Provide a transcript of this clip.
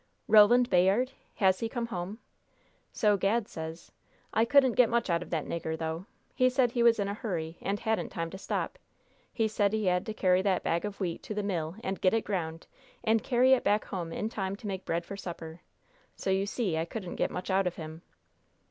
"Roland Bayard! Has he come home?" "So Gad says. I couldn't get much out of that nigger, though. He said he was in a hurry, and hadn't time to stop. He said he had to carry that bag of wheat to the mill and get it ground, and carry it back home in time to make bread for supper; so you see I couldn't get much out of him."